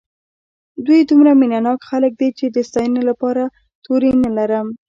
دوی دومره مینه ناک خلک دي چې د ستاینې لپاره یې توري نه لرم.